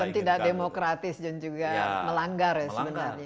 dan tidak demokratis juga melanggar ya